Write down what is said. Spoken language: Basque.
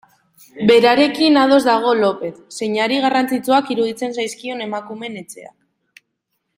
Berarekin ados dago Lopez, zeinari garrantzitsuak iruditzen zaizkion Emakumeen Etxeak.